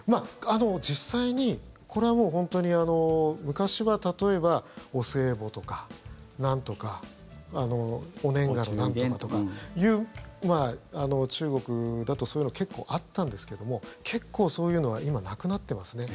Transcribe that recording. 実際にこれはもう本当に昔は例えばお歳暮とか、なんとかお年賀のなんとかっていう中国だと、そういうの結構あったんですけども結構そういうのは今、なくなってますね。